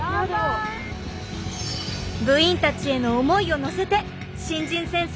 部員たちへの思いを乗せて新人先生